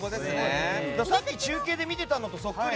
さっき中継で見てたのとそっくり。